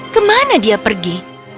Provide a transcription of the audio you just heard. kemana dia pergi